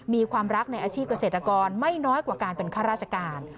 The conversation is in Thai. มีความรักในอาชีพเกษตรกรไม่น้อยกว่าการเป็นข้าราชการ